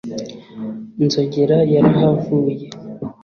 nzogera yarahavuye